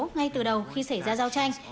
ngay từ đầu khi xảy ra giao tranh